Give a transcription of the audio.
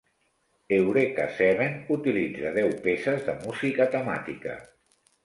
"Eureka Seven" utilitza deu peces de música temàtica.